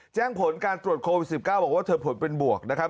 แจ้งผลการตรวจโควิด๑๙บอกว่าเธอผลเป็นบวกนะครับ